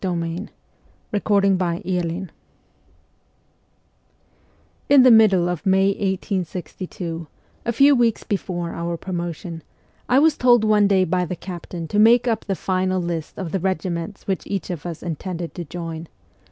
PAET THIRD SIBERIA K 2 IN the middle of May 1862, a few weeks before our promotion, I was told one day by the Captain to make up the final list of the regiments which each of us intended to join.